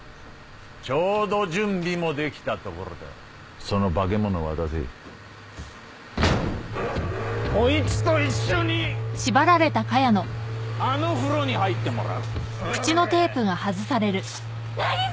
ちょうど準備もできたところだその化け物を渡せこいつと一緒にあの風呂に入ってもらうオラァ渚！